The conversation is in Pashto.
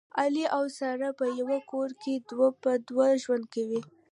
علي او ساره په یوه کور کې دوه په دوه ژوند کوي